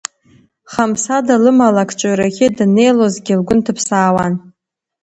Хамсада, лымала акҿыҩрахьы даннеилозгьы, лгәы нҭыԥсаауан…